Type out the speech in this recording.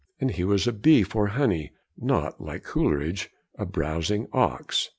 And he was a bee for honey, not, like Coleridge, a browsing ox.